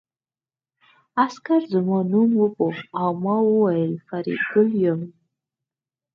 عسکر زما نوم وپوښت او ما وویل فریدګل یم